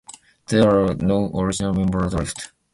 There are no original members left.